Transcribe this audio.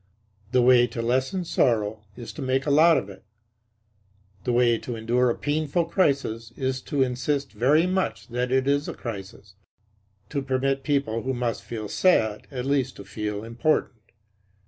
The way to lessen sorrow is to make a lot of it. The way to endure a painful crisis is to insist very much that it is a crisis; to permit people who must feel sad at least to feel important.